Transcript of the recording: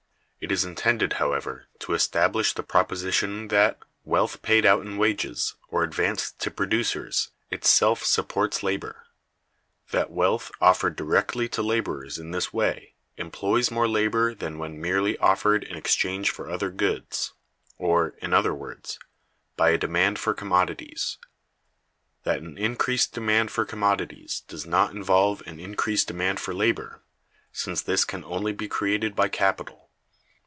It is intended, however, to establish the proposition that wealth paid out in wages, or advanced to producers, itself supports labor; that wealth offered directly to laborers in this way employs more labor than when merely offered in exchange for other goods, or, in other words, by a demand for commodities; that an increased demand for commodities does not involve an increased demand for labor, since this can only be created by capital.